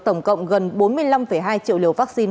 tổng cộng gần bốn mươi năm hai triệu liều vaccine